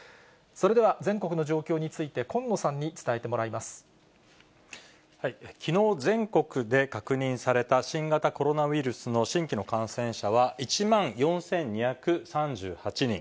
それでは全国の状況について、きのう、全国で確認された新型コロナウイルスの新規の感染者は１万４２３８人。